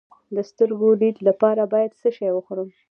د سترګو د لید لپاره باید څه شی وخورم؟